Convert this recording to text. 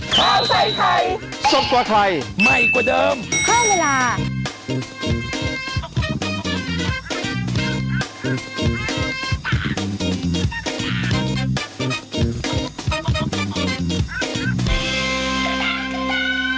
ดังนั้นการที่ผมต้องการปฏิบัติในสภาและต่อประชาชนทุกชุดความคิดไม่ว่าผมจะสังกัดพักใดก็ตาม